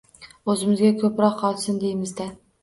O`zimizga ko`proq qolsin, deymiz-da